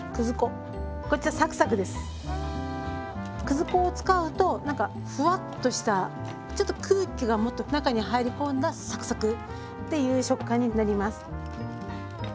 くず粉を使うとなんかふわっとしたちょっと空気がもっと中に入り込んだサクサクっていう食感になります。